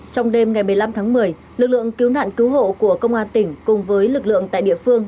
trong đêm ngày một mươi năm tháng một mươi lực lượng cứu nạn cứu hộ của công an tỉnh cùng với lực lượng tại địa phương